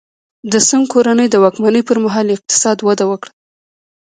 د سونګ کورنۍ د واکمنۍ پرمهال اقتصاد وده وکړه.